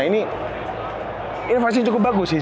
ini ini pasti cukup bagus sih